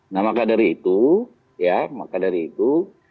nah maka dari itu